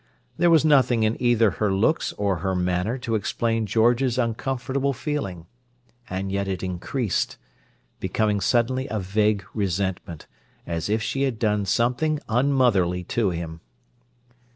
There was nothing in either her looks or her manner to explain George's uncomfortable feeling; and yet it increased, becoming suddenly a vague resentment, as if she had done something unmotherly to him.